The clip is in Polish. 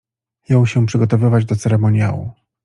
Jął się przygotowywać do ceremoniału.